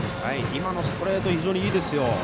今のストレート非常にいいですよ。